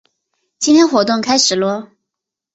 今天活动开始啰！